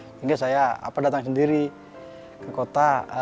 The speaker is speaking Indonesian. sehingga saya datang sendiri ke kota berjualan gitu ya